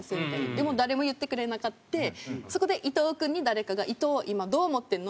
でも誰も言ってくれなくてそこで伊藤君に誰かが「伊藤今どう思ってるの？」